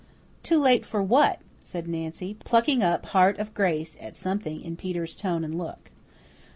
"Too late for what?" said Nancy, plucking up heart of grace at something in Peter's tone and look.